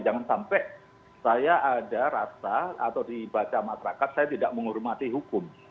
jangan sampai saya ada rasa atau dibaca masyarakat saya tidak menghormati hukum